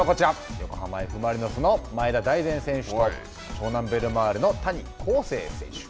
横浜Ｆ・マリノスの前田大然選手と湘南ベルマーレの谷晃生選手。